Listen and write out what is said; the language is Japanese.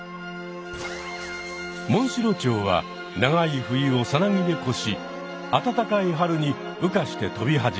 モンシロチョウは長い冬をさなぎで越し暖かい春に羽化して飛び始める。